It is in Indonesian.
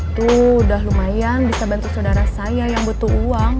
tuh udah lumayan bisa bantu saudara saya yang butuh uang